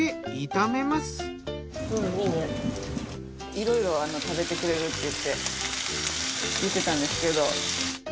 いろいろ食べてくれるって言ってたんですけど。